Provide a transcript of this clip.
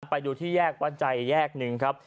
ไปดูที่แยกวัดใจแยกหนึ่งครับ